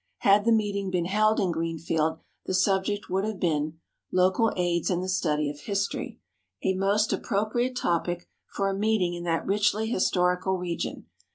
Had the meeting been held in Greenfield, the subject would have been "Local Aids in the Study of History," a most appropriate topic for a meeting in that richly historical region.